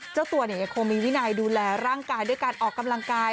เจ้าตัวยังคงมีวินัยดูแลร่างกายด้วยการออกกำลังกาย